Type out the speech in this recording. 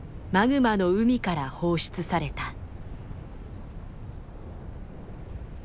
マグマの海から放出された。